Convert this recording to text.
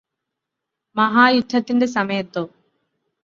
മഹാ യുദ്ധത്തിന്റെ സമയത്തോ